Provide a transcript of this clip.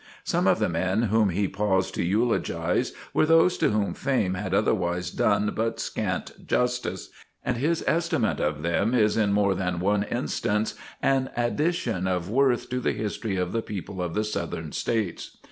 Some of the men whom he paused to eulogize were those to whom fame had otherwise done but scant justice, and his estimate of them is in more than one instance an addition of worth to the history of the people of the Southern States.